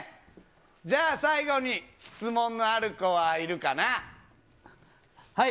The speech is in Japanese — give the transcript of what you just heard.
じゃあ、最後に質問のある子はいはい。